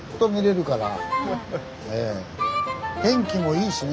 天気もいいしね。